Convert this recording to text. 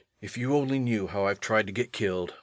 if you only knew how I've tried to get killed.